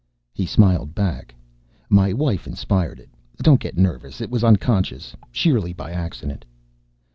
He smiled back. "My wife inspired it. Don't get nervous it was unconscious, sheerly by accident."